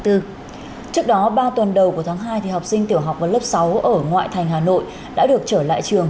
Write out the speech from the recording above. trước đó ba tuần đầu của tháng hai học sinh tiểu học và lớp sáu ở ngoại thành hà nội đã được trở lại trường